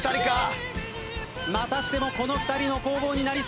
またしてもこの２人の攻防になりそうだ。